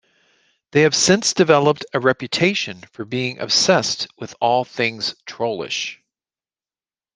They have since developed a reputation for being obsessed with all things trollish.